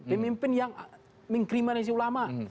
pemimpin yang mengkrimenasi ulama